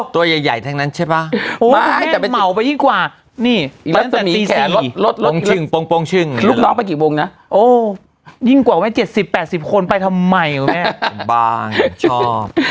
ตัวใหญ่ทั้งนั้นใช่ป่ะเพราะว่าคุณแม่นเหมาไปยิ่งกว่านี่อีกแล้วตั้งแต่ตีสี่ลูกน้องไปกี่วงนะโอ้ยิ่งกว่าแม่ง๗๐๘๐คนไปทำไมบ้างชอบ